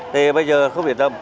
thế bây giờ không biết đâu